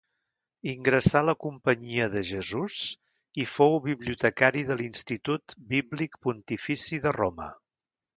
Ingressà a la Companyia de Jesús i fou bibliotecari de l'Institut Bíblic Pontifici de Roma.